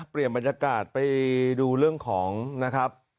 เปลี่ยนบรรยากาศไปดูเรื่องของนะครับ